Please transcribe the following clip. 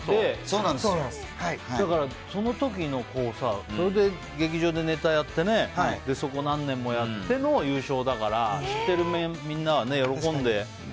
だから、その時劇場でネタやってそこを何年もやっての優勝だから知っているみんなは喜んでね。